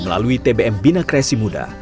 melalui tbm bina kreasi muda